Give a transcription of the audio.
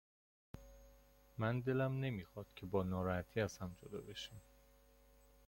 من دلم نمیخواد که با ناراحتی از هم جدا بشیم.